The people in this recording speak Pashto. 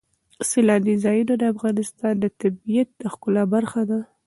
سیلاني ځایونه د افغانستان د طبیعت د ښکلا برخه ده.